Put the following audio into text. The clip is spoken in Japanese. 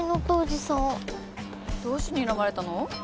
どうしてにらまれたの？